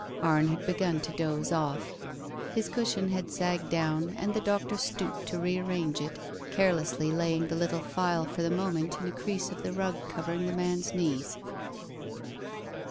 Arne had begun to doze off. His cushion had sagged down, the doctor stooped to rearrange it, care lessly laying the little phial for the moment in a crease of the rug covering the man's knees.